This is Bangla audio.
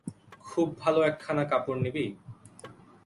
খুব ভালো একখানা কাপড় নিবি?